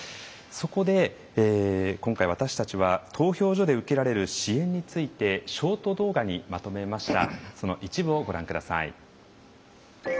そこで、今回、私たちは投票所で受けられる支援についてショート動画にまとめました。